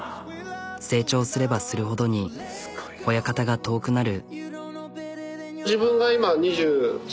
成長すればするほどに親方が遠くなる。